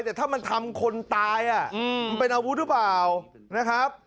แต่ถ้ามันทำคนตายมันเป็นอาวุธหรือเปล่านะครับ